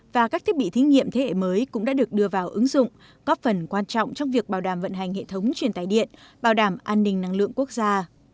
và các thiết bị thí nghiệm thế hệ mới cũng đã được đưa vào ứng dụng có phần quan trọng trong việc bảo đảm vận hành hệ thống truyền tài điện bảo đảm an ninh năng lượng quốc gia